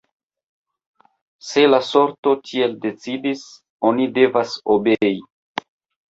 Se la sorto tiel decidis, oni devas obei!